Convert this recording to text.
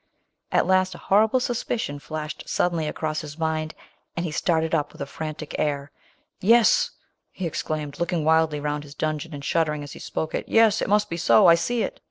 At last a horrible suspicion flashed suddenly across his mind, and he started up with a frantic air. " Yes !" he ex claimed, looking wildly round his dungeon, and shuddering as he spoke —" Yes ! it must be so! I see it